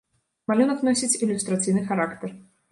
Малюнак носіць ілюстрацыйны характар.